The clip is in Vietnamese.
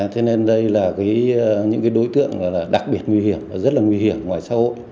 thế nên đây là những đối tượng đặc biệt nguy hiểm và rất là nguy hiểm ngoài xã hội